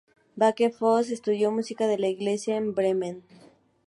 Becker-Foss estudió música de la iglesia en Bremen.